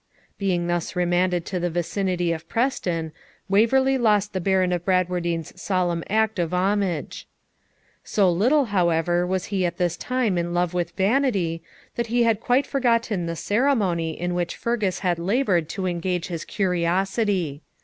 Being thus remanded to the vicinity of Preston, Waverley lost the Baron of Bradwardine's solemn act of homage. So little, however, was he at this time in love with vanity, that he had quite forgotten the ceremony in which Fergus had laboured to engage his curiosity.